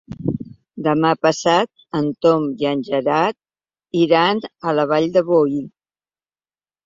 Demà passat en Tom i en Gerard iran a la Vall de Boí.